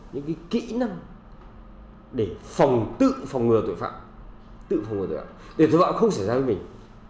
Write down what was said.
những cái kỹ năng để tự phòng ngừa tội phạm để tội phạm không xảy ra với mình